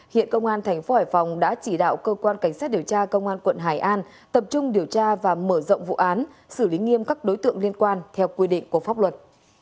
hiện công an thành phố hải phòng đã chỉ đạo cơ quan cảnh sát điều tra công an quận hải an tập trung điều tra và mở rộng vụ án xử lý nghiêm các đối tượng liên quan theo quy định của pháp luật